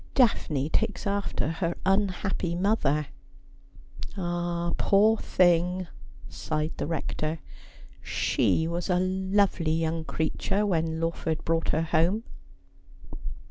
Daphne takes after her unhappy mother.' ' Ah, poor thing !' sighed the Rector. ' She was a lovely young creature when Lawford brought her home.'